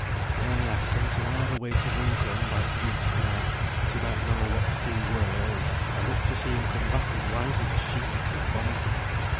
Nay, I sent him a' the way to Runcorn by th' Duke's canal, that he might know what th' sea were; and I looked to see him come back as white as a sheet wi' vomiting.